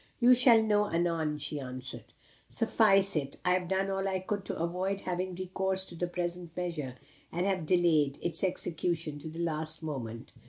"You shall know anon," she answered. "Suffice it, I have done all I could to avoid having recourse to the present measure; and have delayed its execution to the last moment."